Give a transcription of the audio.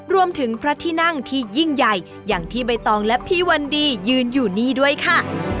รวมถึงพระที่นั่งที่ยิ่งใหญ่อย่างที่ใบตองและพี่วันดียืนอยู่นี่ด้วยค่ะ